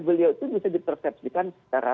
beliau itu bisa dipersepsikan secara